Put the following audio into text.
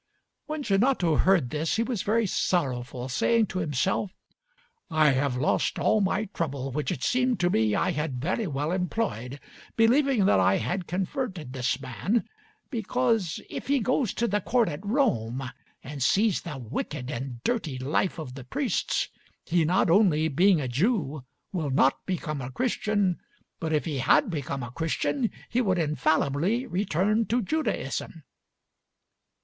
When Gianotto heard this he was very sorrowful, saying to himself: I have lost all my trouble which it seemed to me I had very well employed, believing that I had converted this man; because if he goes to the court at Rome and sees the wicked and dirty life of the priests, he not only, being a Jew, will not become a Christian, but if he had become a Christian he would infallibly return to Judaism.